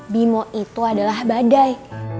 bimo itu adalah badai